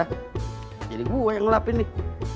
hah jadi gue yang ngelapin nih